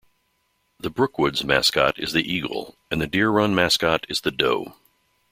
The Brookwoods mascot is the eagle and the Deer Run mascot is the doe.